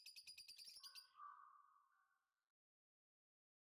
kwa wanyama wanaolishwa kwenye malisho hayo